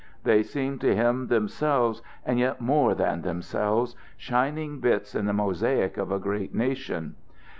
They seemed to him themselves, and yet more than themselves shining bits in the mosaic of a great nation.